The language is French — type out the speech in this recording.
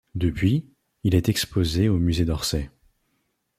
Depuis, il est exposé au musée d'Orsay.